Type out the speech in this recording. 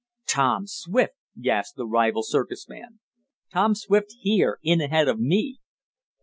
"Tom Swift!" gasped the rival circus man. "Tom Swift here in ahead of me!"